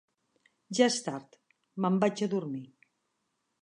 Ja és tard; me'n vaig a dormir.